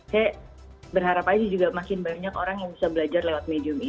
saya berharap aja juga makin banyak orang yang bisa belajar lewat medium ini